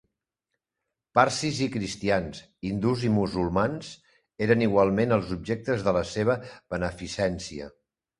Parsis i cristians, hindús i musulmans, eren igualment els objectes de la seva beneficència.